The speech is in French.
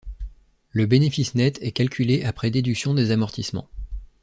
Le bénéfice net est calculé après déduction des amortissements.